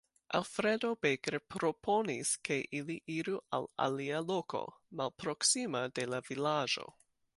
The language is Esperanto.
Alfredo Baker proponis ke ili iru al alia loko, malproksima de la vilaĝo.